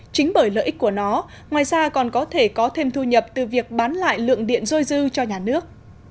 chính bởi lợi ích của nó ngoài ra còn có thể có thêm thu nhập từ việc bán lại lượng điện dôi dư cho nhà nước